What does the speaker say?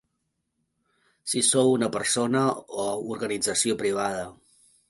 Si sou una persona o organització privada.